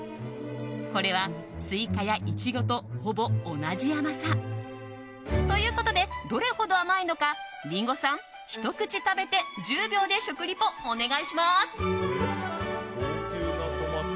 これはスイカやイチゴとほぼ同じ甘さ。ということで、どれほど甘いのかリンゴさん、ひと口食べて１０秒で食リポお願いします。